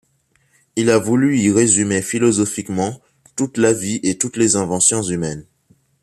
Il a voulu y résumer philosophiquement toute la vie et toutes les inventions humaines.